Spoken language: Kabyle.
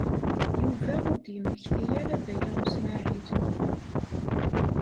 Yuba ur d-yemmekti ara Baya U Smaɛil.